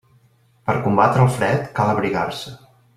Per combatre el fred, cal abrigar-se.